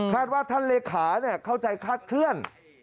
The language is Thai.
ว่าท่านเลขาเข้าใจคลาดเคลื่อน